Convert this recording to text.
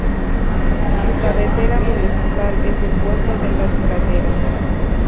Su cabecera municipal es el pueblo de las Praderas.